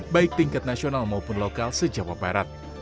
baik tingkat nasional maupun lokal sejauh barat